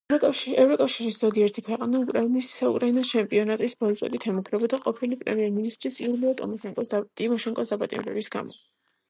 ევროკავშირის ზოგიერთი ქვეყანა უკრაინას ჩემპიონატის ბოიკოტით ემუქრებოდა ყოფილი პრემიერ-მინისტრის იულია ტიმოშენკოს დაპატიმრების გამო.